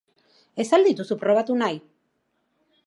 Ez al dituzu probatu nahi?